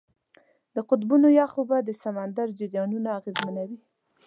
د قطبونو یخ اوبه د سمندر جریانونه اغېزمنوي.